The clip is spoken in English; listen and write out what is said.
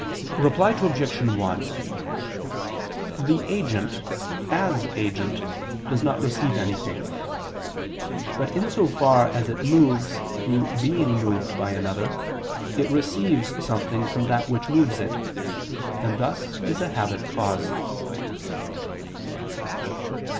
Reply Obj. 1: The agent, as agent, does not receive anything. But in so far as it moves through being moved by another, it receives something from that which moves it: and thus is a habit caused.